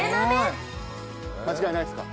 間違いないですか？